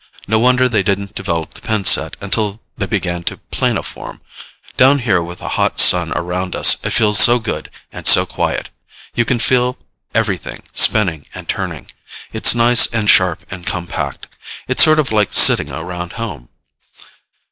No wonder they didn't develop the pin set until they began to planoform. Down here with the hot Sun around us, it feels so good and so quiet. You can feel everything spinning and turning. It's nice and sharp and compact. It's sort of like sitting around home."